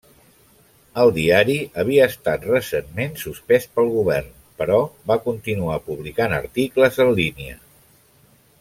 El diari havia estat recentment suspès pel govern, però va continuar publicant articles en línia.